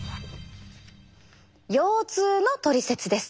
腰痛のトリセツです。